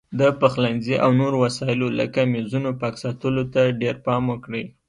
د پخلنځي او نورو وسایلو لکه میزونو پاک ساتلو ته ډېر پام وکړئ.